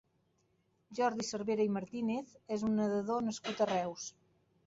Jordi Cervera i Martínez és un nedador nascut a Reus.